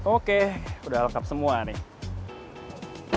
oke udah lengkap semua nih